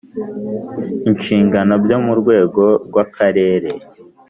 inshingano byo mu rwego rw Akarere